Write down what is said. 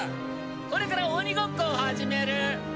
これから鬼ごっこを始める。